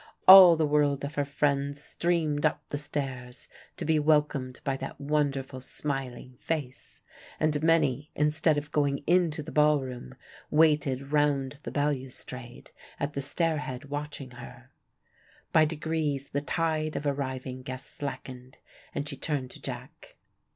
All the world of her friends streamed up the stairs to be welcomed by that wonderful smiling face, and many instead of going in to the ball room waited round the balustrade at the stair head watching her. By degrees the tide of arriving guests slackened, and she turned to Jack.